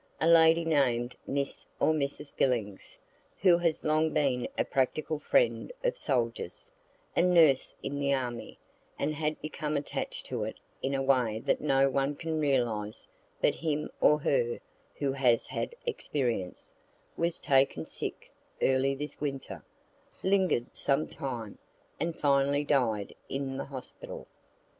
A lady named Miss or Mrs. Billings, who has long been a practical friend of soldiers, and nurse in the army, and had become attached to it in a way that no one can realize but him or her who has had experience, was taken sick, early this winter, linger'd some time, and finally died in the hospital.